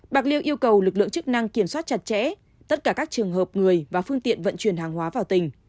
bạc liêu yêu cầu lực lượng chức năng kiểm soát chặt chẽ tất cả các trường hợp người và phương tiện vận chuyển hàng hóa vào tỉnh